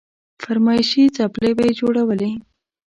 فرمايشي څپلۍ به يې جوړولې.